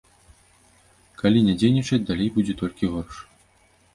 Калі не дзейнічаць, далей будзе толькі горш.